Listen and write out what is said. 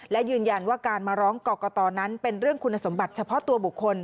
และยืนยันว่าการมาร้องกรกตนั้นเป็นเรื่องคุณสมบัติเฉพาะตัวบุคคล